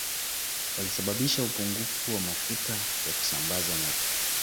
Walisababisha upungufu wa mafuta ya kusambaza moto